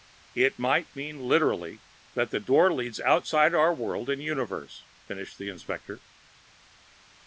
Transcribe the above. "It might mean, literally, that the Door leads outside our world and universe," finished the inspector.